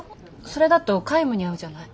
それだと海霧にあうじゃない。